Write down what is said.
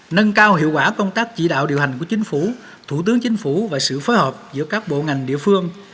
nâng cao hiệu quả công tác chỉ đạo điều hành của chính phủ thủ tướng chính phủ và sự phối hợp giữa các bộ ngành địa phương